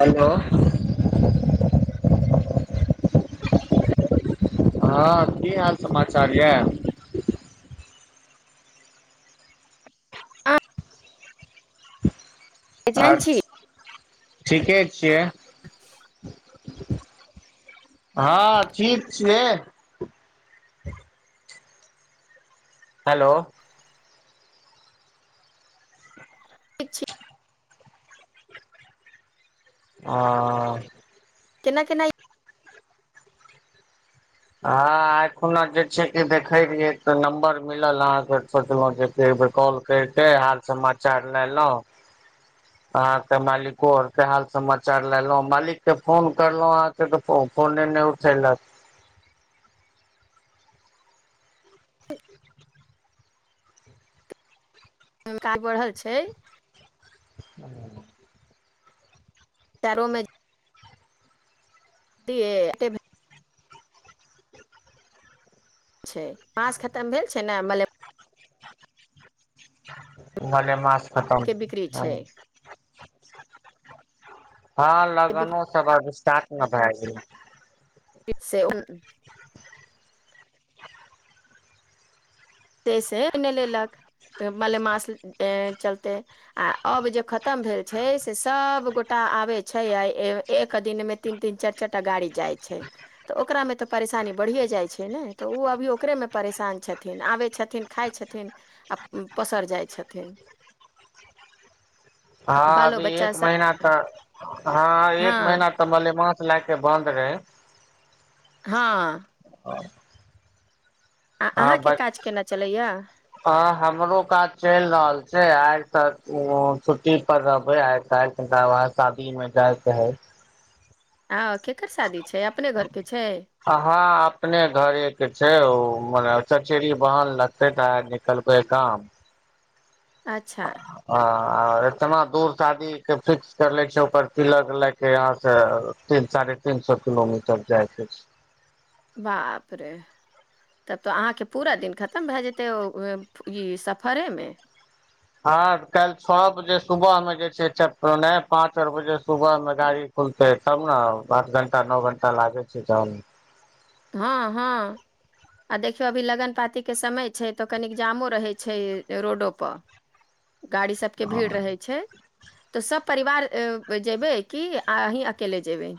Hello. हँ की हाल समाचार यए। अहाँ आ। एजेंट छी ठीके छियै। ह। हँ ठीक छिय। हेलो। छी। ह। केना केना हँ एखना जे छै कि देखे रहियै तऽ नम्बर मिलल अहाँके सचलहुँ जे कॉ कर के हाल समाचार लेलहुँ अहके मालिको आर के हाल समाचार लेल लेलहु मालिक के फोन करलहु अहाँके त फ फोने नहि उठेलक। हनका बढ़ल छै। ह। शरोमे अ छै। माँस खतम भेल छै ने नहि भल भल मछ ह के बिक्री हँ। छै हँ लगनो बिक्री सब अभि साातमे भए गेलै। फ से उ। से सेने लेलक मलेमास चलते आ अब जे खतम भेल छै से सभगोटा आबैत छै आ एक दिनमे तीन तीन चारि चारि टा गाड़ी जाइत छै तऽ ओकरामे तऽ परेशानी बढ़िए जाइत छै ने तऽ ओ अभी ओकरेमे परेशान छथिन आबैत छथिन खाइ छथिन आ पसर जाइ छथिन। हँ बालो अभी बच्चा एक सब महीना तऽ हँ हँ एक महीना तऽ बले म लए के बन्द रहे। हँ। आ। आ ह अहाँके काज केना चलैया ह हमरो काज चलि रहल छै। आइ तक छुट्टी पर रहबे आइ काल् त ब शादी में जायके है। आ केकर शादी छै अपने घरके छै अहाँ अपने घरे के छै ओ मने चरचरी बहन लगते निकलके काम अच्छा। आ एतना दूर शादीके फिक्स कर लै छै ओकर पिल लएके यहाँसँ तीन साढ़े तीन सए किलोमीटर जाइकेछै। बाप रे तब तऽ अहाँके पूरा दिन खतम भए जेतै ओ ई सफरेमे। हँ काल्हि छओ बजे सुबहमे जे छै च नहि पाँच आठ बजे सुबहमे गाड़ी खुलतै तब ने आठ घण्टा नओ घण्टा लागै छै त हँ हँ आ देखियौ अभी लगन पातीके समय छै तऽ कनिक जामो रहै छै रोडोपर। गाड़ी सबके भीड़ रहै छै। तऽ सभ परिवार जयबै कि अही अकेले जेयबै।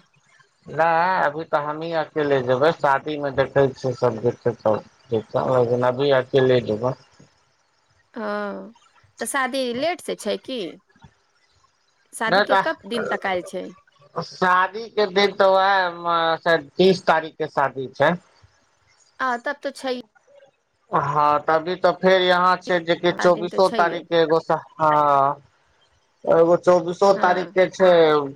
नहि अभी तऽ हमहीँ अकेले जेबै शादीमे देखै छियै सभ देख लेकिन अभी अकेले जेबै। हँ। तऽ शादी लेट से छै की। नहि शादीके कब तऽ दिन तकल छै। शादी के दिन तऽ ओएह तीस तारीख के शादी छै। आ तब तऽ छै हँ तभी तऽ फेर यहाँ छै जे सात दिन तऽ चौबीसो छैहे तारीखे एगो हँ। तग चौबीसो तारीख हँ के छै।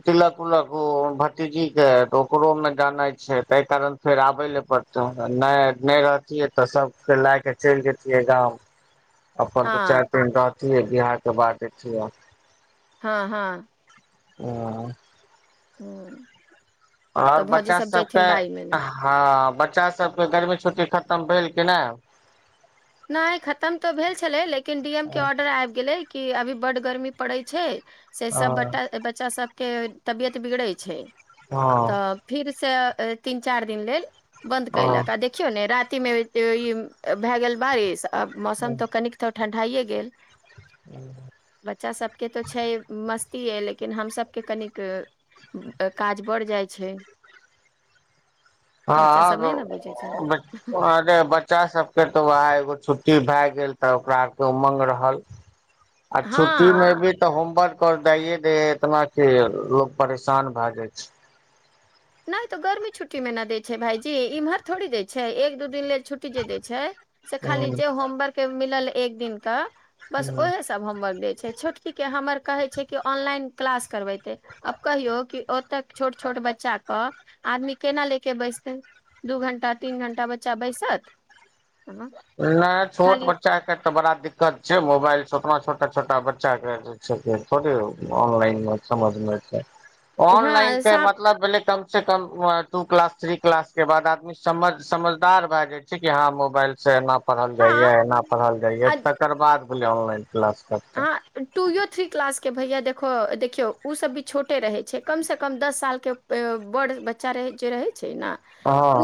तिलक उलक ओ भतीजीके तऽ ओकरोमे जानइ छै ताहि कारण फेर आबय लए पड़तै नहि नहि रहतियै तऽ सभके लए कऽ चलि जतियै गाम। अपन अपन तऽ हँ चार पें रह अै बिहारके बात अठी ह। हँ हँ। ह। तऽ आओर भौजी बच्चा सब सबके जयथिन बाइ महीने हँ बच्चा सबके गर्मी छुट्टी खतम भेल कि नहि। नहि खतम तऽ भेल छलै लेकिन डी एम के हँ ऑर्डर आबि गेलै कि अभी बड गर्मी पड़ैत छै। से सब ब बच्चा सब के तबियत बिगड़े छै। हँ तऽ फिर से तीन चार दिन लेल बंन्द हँ कयलक आ देखियौ ने रात भए गेल बार अ मौसम त कनिक ो। ठण्ढाइए गेल। बच्चा सबके तो छै मस्त लेकिन हमसभके कनिक काज बढ़ जाइ छै। बच्चा सब हँ नहि ने बुझै छै अरे बच्चा सबके तो वो छुट्टी भए गेल तऽ ओकरा आरके उमङ्ग रहल। आ छुट्टी मे हँ भी तऽ होमवर्क दइए द एतना कि लोग परेशान भए जाइ छै। नहि तो गर्मी छुट्टी मे नहि दै छै भाायजी इम्हर थड़ी दै छै एक दू दिन ले छुटी जे छै से खाली हूँ जे होवर् मिल एक दिन का बस हूँ ओएहे सब हमर। छोटकीके हमर कहै छै कि ऑनलाइन क्लास करबेतै आब कहियौ कि ओतऽ छोट छोट बच्चाे अ आदमी केना लेके बैसते दू घं्टा तीन घं्टा बच्चा बैसत। हाँ, नहि। छोट खाली बच्चाे तऽ बड़ा दिक्कत छै मोबाइल छै ओतना छोटा छोटा बच्चा के जे छै थोे ऑनलाइन समझमे छै। ऑनलाइन हँ त सा मतलब भेल से कम टू क्लास थ्री क्लास के बाद आदमी समझ समझदार भए जाइ छै कि हँ मोबाइल से न पढ़ल जाइया हँ एना पढ़ल जाइया आ तकर बाद। ऑनलाइन। क्लास करतै हँ टू यो थ्री क्लास के भैया देखो देखियौ ओ सब भी छोटे रहै छै कम से कम दस सालके बड़ बच्चा रहै जे रहै। छै ने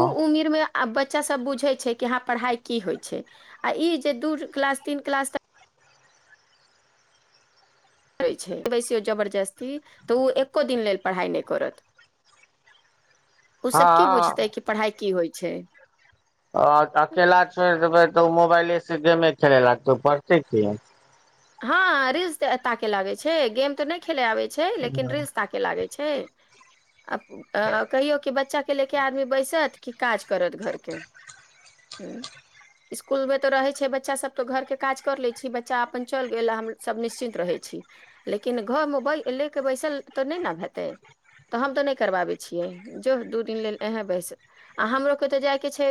ओ उमिरमे आ बच्चासभ बुझै छै कि हँ पढ़ाइ की होइ छै आ ई जे दू क्लास तीन क्लास तक छै बैसियौ जबरदस्ती तऽ ओ एक्को दिन लेल पढ़ाइ नहि करत ओ सब की हँ बुझते कि पढ़ाई की होइ छै। छै। अकेला छब तऽ मोबाइल धमे खेल लागतौ पड़त क हँ रील्स तऽ एता के लागे छै गेम तऽ नहि खेले आबैत छै। छै लेकिन रिललस ताके लागे छै। छै आ कहियौ कि बच्चा के ले के आदमी बैसत कि काज करत घर के ह इसकुल मे तऽ रहै छै बच्चा सब तऽ घर के काज कर लै छी बच्चा अपन चल गेल हम निश्चिन्त रहै छी लेकिन घरमे ले कऽ बैसल तऽ नहि ने हेतै तऽ हम तऽ नहि करबाबै छियै जो दू दिन लेल इहे बैस आ हमरोे तऽ जायके छै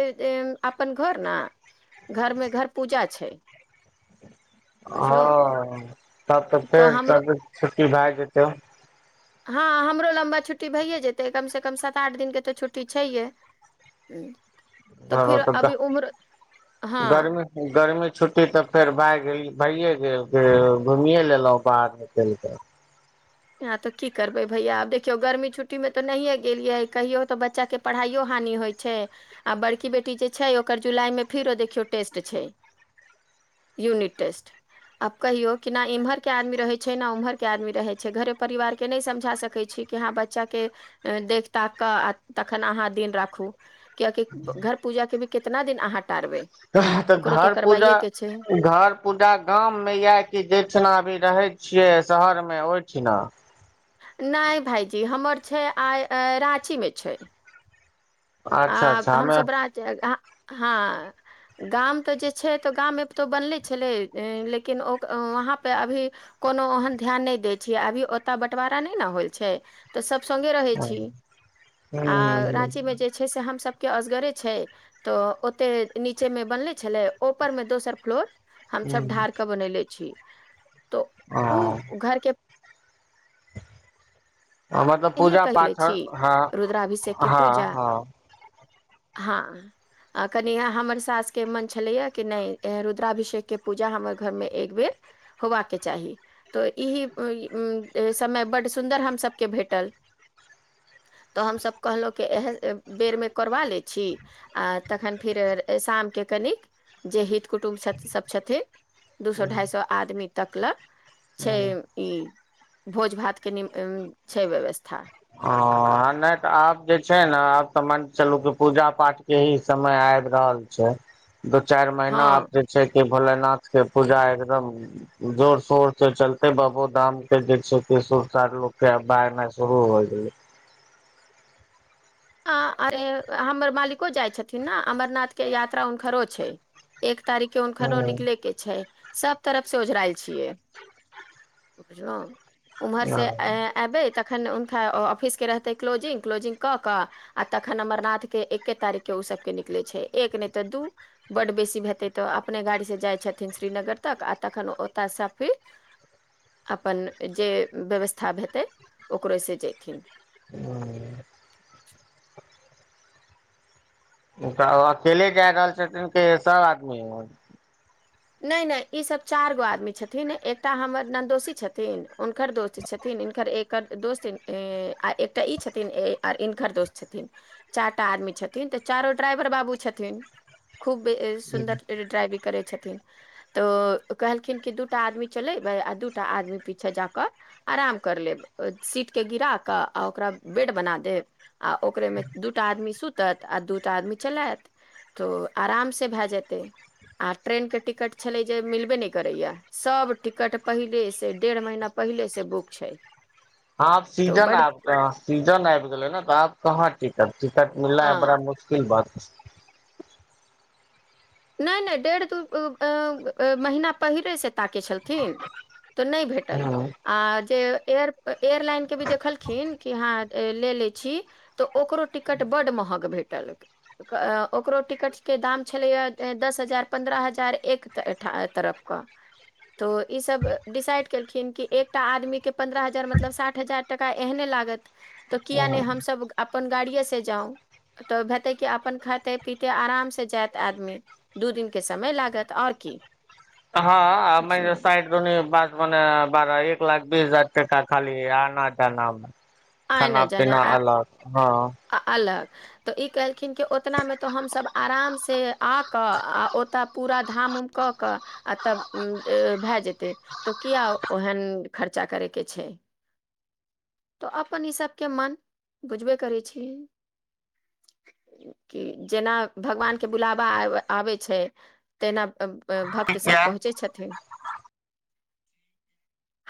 अपन घर ने घरमे घर पूजा छै। बुझलहुँ हँ तब तऽ फेर त छुट्टी भए जेत। त। हँ हमरो लम्बा छुट्टी भइए जेतै कमसँ कम सात आठ दिनके तऽ छुट्टी छैहे ह। ह तऽ हँ गर्मी गर्मी छुट्टी तऽ फेर भए गेली भइए गेल घुमिए लेलहुँ बाहर निकलिके ह तऽ की करबै भैया आब देखियौ गर्मी छुट्टीमे तऽ नहिए गेलियै कहियो तऽ बच्चाके पढ़ाइयो हानि होइत छै आ बड़की बेटी जे छै ओकर जुलाईमे फेरो देखियौ टेस्ट छै यूनिट टेस्ट आब कहियौ कि नहि इम्हर के आदमी रहैत छै ने ओम्हर के आदमी रहै छै। र परिवार के समझा सक छी बच्चा के त तखन अह द राखू किय घर पूजा के भी कितना दिन टारबै तऽ ओकरो तो घर पूजा करवाइए के छै घर पूजा गाममे इएह कि जेहिठिना अभी रहै। छियै शहरमे ओहिठिना। नहि भइजी हमर छै आ राँची मे छै। अच्छा आ अच्छा हमस हमे रहे। हँ गाम तऽ जे छै तऽ गाममे तऽ बनले छलै लेकिन वहाँपे अभी कोनो ओहन ध्यान नहि दै छियै अभी ओतऽ बँटवारा नहि ने होइ छै तऽ सभ रह ह ह आ मे से हम सब के असगरे छै तऽ ओते नीचे मे बनले छले ऊपर में दोसर फ्लोर हम सभ ढार के बनैले छी। त ह ओ घरके मतलब कहिये पूजा कले छी पाठर हँ रुद्राभिषेक के हँ पूजा हँ। हँ कनि हमर सासके मन छलैएा कि नहि रुद्राभिषेकके पूजा हमर घरमे एक बेर होबाक चाही तऽ ई समय बड्ड सुन्दर हमसभके भेट टल तऽ हमसभ कहलहुँं कि एह बेरमे करबा लै छी आ तखन फिर शामके कनिक जे हित कुटुम्ब सब छथिन दू सए ढाइई सए आदमी तकल। छै ई। भोज - भात के। छै व्यवस्था। ह नहि तऽ आब जे छै ने आब तऽ मान चलू कि पूजा पाठके ही समय आबि रहल छै। दू चारि महीना हँ आब जे छै कि। भोले नाथ के पूजा एकदम जोर शोर से चलते बाबो धाम के जस के सुर सा लोग केा एना शुरू होय। ह। ह अरे हमर मालिको जाइत छथिन ने अमरनाथके यात्रा हुनकरो छै एक तारीखे उनकरो हूँ निकले के छै। सब तरफ से ओझरायल छियै बुझलहु। उम्हर से अबै। तखन हुनका ऑफिसके रहतै क्ोजिंग क्लोिंग कऽ। क आ तखन अमरनाथ के एके तारीख के ओ सबके निकलै छै एक नहि तऽ दू बड बेसी हेतै तऽ अपने गाड़ी से जाइ छथिन श्रीनगर तक आ तखन ओ ओतयसँ फिर अपन जे व्यवस्था हेतै ओकरो से जथिन। हं। [unintelligible] तऽ अकेले जा रहल छथिन के सभ आदमी। नहि नहि ईसभ चारि गो आदमी छथिन एकटा हमर नन्ददोषी छथिन हुनकर दोस्त छथिन हिनकर एकर दोस्त आ एकटा ई छथिन आ हिनकर दोस्त छथिन चारि टा आदमी छथिन तऽ चारिो ड्राइवर बाबू छथिन। खूब सुन्दर ड्राइवि करै छै। तऽ कहलखिन द आदमी चलेबै आ दूटा आदमी पीछे जाकऽ आराम कर लेब सीटके गिरा कऽ आ ओकरा बेड बना देब आ ओकरेमे दूटा आदमी सुतत आ दूटा आदमी चलात तऽ आराम से भए जेतै आ ट्रेनके। टिकट छले जे मिलबे नहि करैया सब टिकट पहिले से डेढ़ महीना पहिले से बुक छै। हँ आब तो सीजन बड आबि सीजन आबि गेलै ने तऽ आब। कहाँ टीकत। टिकट मिलना है बड़ा हँ मुश्किल बात। [unintelligible] नहि नहि डेढ़ दू महीना पहिलेसँ ताकै छलथिन। तऽ नहि छै भेटल हूँ आ जे। एय एयरलाइनके भी देखलखिन कि हँ ले ले छी तऽ ओकरो टिकट बड्ड महग भेटल ओकरो टिकटके दाम छलैय। दस हजार पन्द्रह हजार एक तरफके तऽ ईसभ डिसाइड केलखिन कि एकटा आदमीके पन्द्रह हजार मतलब साठि हजार टाका एहने लागत तऽ किया हूँ नहि हमसभ अपन गाड़िएसँ जाउ तऽ हेतै कि अपन खाते पीिते आरामसँ जायत आदमी। दू दिन के समय लागत आओर की। हँ म साइड दोनी बात। मने बड़ा एक लाख बीस हजार टका खाली आना जाना। आइ खाना नहि जाने पीना आ अलग हं। आ अलग तऽ ई कहलखिन कि ओतनामे तऽ हमसभ आरामसँ आ कऽ आ ओतय पूरा धाम - उम कऽ कऽ आ तब भए जेतै तऽ किया ओहन खर्चा करयके छै। तऽ अपन ई सबके मन बुझबे करै छीिय कि जेना भगवान के बुलाबा आबै छै तेना। भक्त सब पहुँचै छथिन।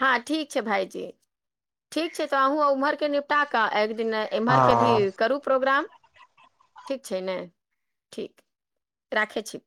हँ ठीक छै भाइजी ठीक छै। अहू उमहर के निपटा क आ। दिन एम्हर के हँ भी करू प्रोग्राम। ठीक छै ने ठीक राखै छी।